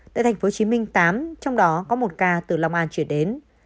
tại tp hcm tám trong đó có một ca từ long an chuyển đến